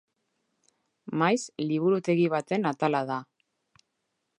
Maiz, liburutegi baten atala da.